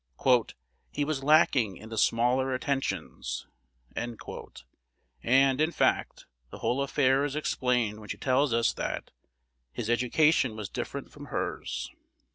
"He was lacking in the smaller attentions;" and, in fact, the whole affair is explained when she tells us that "his education was different from" hers.